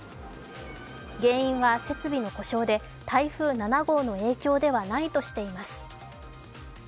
原因は設備の故障で台風７号の影響ではないとしています。